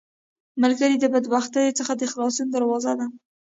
ملګری د بدبختیو څخه د خلاصون دروازه ده